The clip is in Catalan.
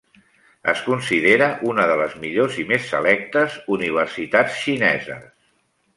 Es considera una de les millors i més selectes universitats xineses.